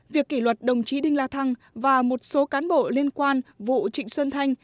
việc kỷ luật đồng chí đinh la thăng và một số cán bộ liên quan vụ trịnh xuân thanh